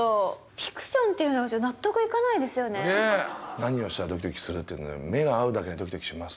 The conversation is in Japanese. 「何をしたらドキドキする？」っていうので「目が合うだけでドキドキします」。